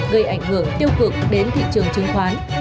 gây ảnh hưởng tiêu cực đến thị trường chứng khoán